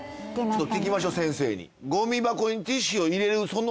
ちょっと聞きましょう先生に。